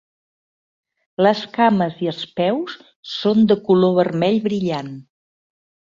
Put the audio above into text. Les cames i els peus són de color vermell brillant.